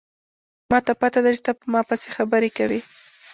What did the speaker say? ما ته پته ده چې ته په ما پسې خبرې کوې